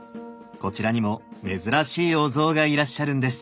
こちらにも珍しいお像がいらっしゃるんです。